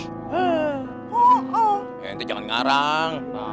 ya nanti jangan ngarang